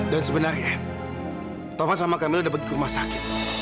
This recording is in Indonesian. dan sebenarnya taufan sama kamila udah pergi ke rumah sakit